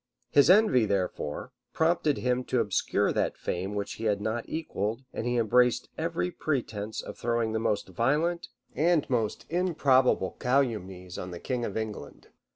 His envy, therefore, prompted him to obscure that fame which he had not equalled; and he embraced every pretence of throwing the most violent and most improbable calumnies on the king of England.